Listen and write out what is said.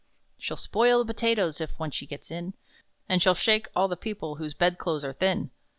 "She'll spoil the potatoes (if once she gets in), And she'll shake all the people whose bed clothes are thin!